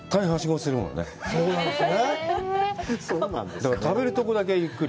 だから、食べるところだけはゆっくり。